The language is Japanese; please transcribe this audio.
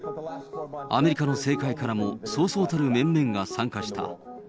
アメリカの政界からもそうそうたる面々が参加した。